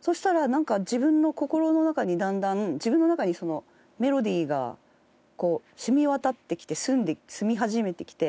そしたらなんか自分の心の中にだんだん自分の中にメロディーがこう染み渡ってきてすみ始めてきて。